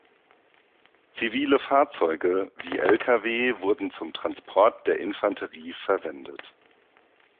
Zivile Fahrzeuge, wie Lkw, wurden zum Transport der Infanterie verwendet.